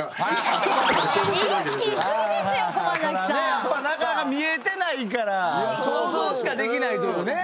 やっぱなかなか見えてないから想像しかできないけどね。